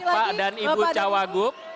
bapak dan ibu cawaguk